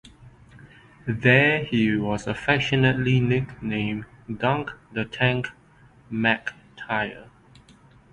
There he was affectionately nicknamed Dunc "The Tank" MacIntyre.